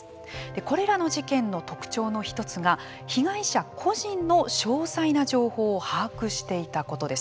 これらの事件の特徴のひとつが被害者個人の詳細な情報を把握していたことです。